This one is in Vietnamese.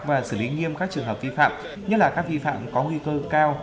và xử lý nghiêm các trường hợp vi phạm nhất là các vi phạm có nguy cơ cao